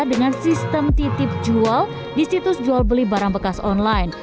dengan sistem titip jual di situs jual beli barang bekas online